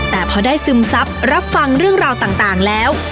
แต่พอได้ซึมซับรับฟังเรื่องราวต่างแล้ว